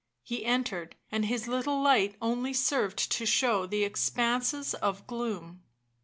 He entered, and his little light only served to show the expanses of gloom.